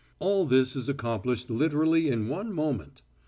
All this is accomplished literally in one moment.